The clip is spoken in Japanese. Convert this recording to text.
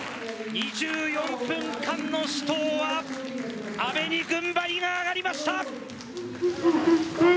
２４分間の死闘は、阿部に軍配が上がりました！